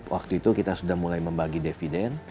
waktu itu kita sudah mulai membagi dividen